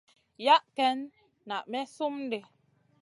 Yah ken na may slum di.